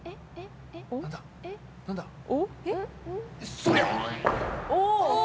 そりゃ！